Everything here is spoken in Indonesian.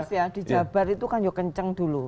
mas maaf ya mas ya dijabar itu kan juga kencang dulu